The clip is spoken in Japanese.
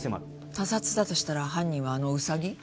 他殺だとしたら犯人はあのウサギ？